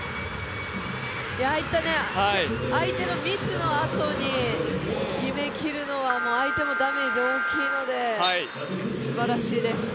ああいった相手のミスのあとに決めきるのは相手もダメージ大きいのですばらしいです。